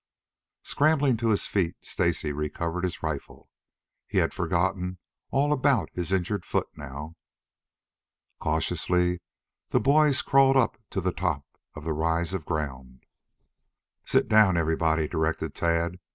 Scrambling to his feet, Stacy recovered his rifle. He had forgotten all about his injured foot now. Cautiously the boys crawled up to the top of the rise of ground. "Sit down, everybody," directed Tad.